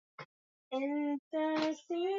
Ameng'ara sana